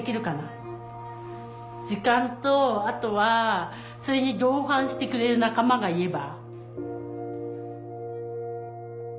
時間とあとはそれに同伴してくれる仲間がいれば。